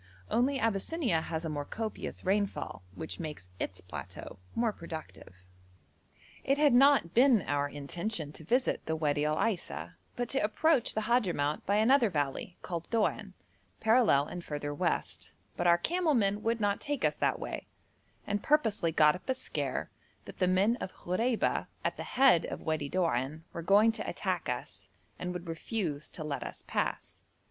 Only Abyssinia has a more copious rainfall, which makes its plateau more productive. It had not been our intention to visit the Wadi Al Aisa, but to approach the Hadhramout by another valley called Doan, parallel and further west, but our camel men would not take us that way, and purposely got up a scare that the men of Khoreba at the head of Wadi Doan were going to attack us, and would refuse to let us pass.